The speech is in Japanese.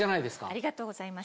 ありがとうございます。